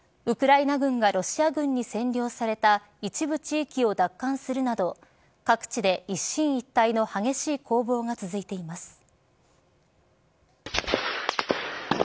ウクライナ軍がロシア軍に占領された一部地域を奪還するなど各地で一進一退の激しい攻防が続いています。